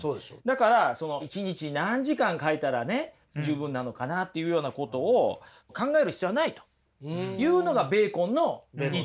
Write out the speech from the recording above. だから一日何時間描いたら十分なのかな？っていうようなことを考える必要はないというのがベーコンの言いたいことなんですね。